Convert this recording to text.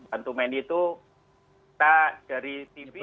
one to many itu kita dari tv